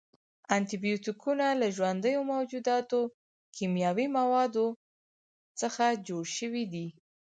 انټي بیوټیکونه له ژوندیو موجوداتو، کیمیاوي موادو څخه جوړ شوي دي.